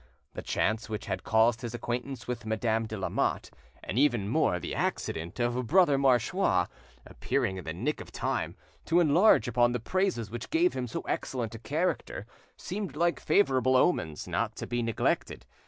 The chance which had caused his acquaintance with Madame de Lamotte, and even more the accident of Brother Marchois appearing in the nick of time, to enlarge upon the praises which gave him so excellent a character, seemed like favourable omens not to be neglected.